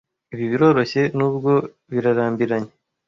ibi biroroshye nubwo birarambiranye